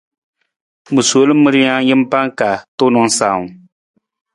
Ma sol ma rijang jampa ka tuunang sawung.